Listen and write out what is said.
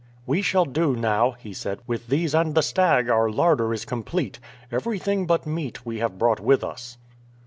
"We shall do now," he said; "with these and the stag our larder is complete. Everything but meat we have brought with us."